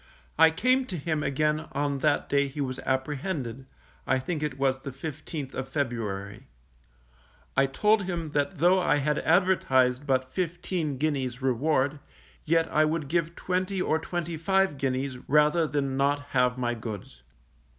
I came to him again on that day he was apprehended (I think it was the 15th of February). I told him that though I had advertised but fifteen guineas reward, yet I would give twenty or twenty five guineas, rather than not have my goods.